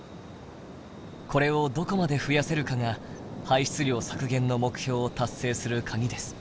これをどこまで増やせるかが排出量削減の目標を達成するカギです。